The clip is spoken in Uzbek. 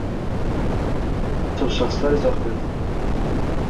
Mas'ul shaxslar izoh berdi.